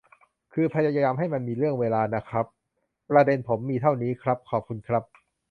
คือพยายามให้มันมีเรื่องเวลาน่ะครับ ประเด็นผมมีเท่านี้ครับ ขอบคุณครับ